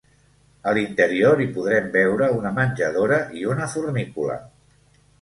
A l'interior hi podrem veure una menjadora i una fornícula.